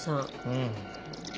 うん。